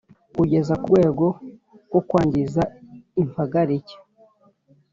kugeza kurwego rwo kwangiriza impagarike